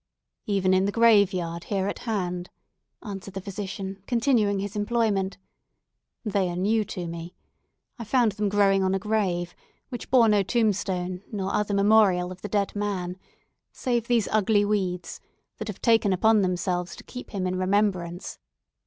"Even in the graveyard here at hand," answered the physician, continuing his employment. "They are new to me. I found them growing on a grave, which bore no tombstone, no other memorial of the dead man, save these ugly weeds, that have taken upon themselves to keep him in remembrance.